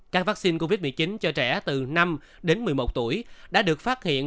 các vaccine covid một mươi chín cho trẻ từ năm đến một mươi một tuổi đã được phát hiện